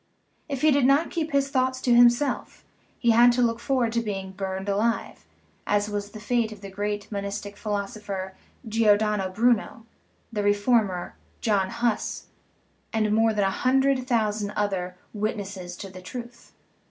If he did not keep his thoughts to himself, he had to look forward to being burned alive, as was the fate of the great monistic phi losopher, Giordano Bruno, the reformer, John Huss, and more than a hundred thousand other " witnesses to the truth."